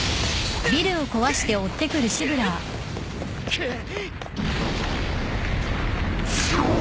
くっ！